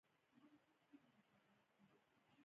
دلته لومړني خټین کورونه او د اوبو رسولو سیستمونه موندل شوي